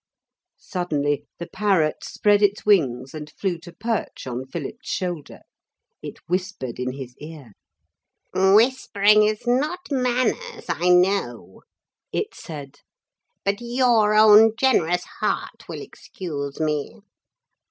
Suddenly the parrot spread its wings and flew to perch on Philip's shoulder. It whispered in his ear. 'Whispering is not manners, I know,' it said, 'but your own generous heart will excuse me.